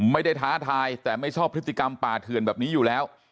ท้าทายแต่ไม่ชอบพฤติกรรมป่าเถื่อนแบบนี้อยู่แล้ว